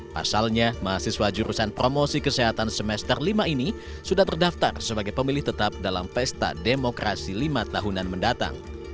pasalnya mahasiswa jurusan promosi kesehatan semester lima ini sudah terdaftar sebagai pemilih tetap dalam pesta demokrasi lima tahunan mendatang